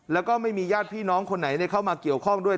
แล้วก็ไม่มีญาติพี่น้องคนไหนเข้ามาเกี่ยวข้องด้วย